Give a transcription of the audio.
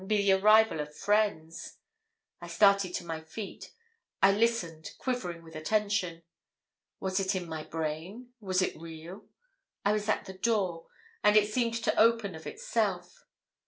be the arrival of friends. I started to my feet; I listened, quivering with attention. Was it in my brain? was it real? I was at the door, and it seemed to open of itself.